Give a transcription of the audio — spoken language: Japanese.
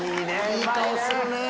いい顔するね！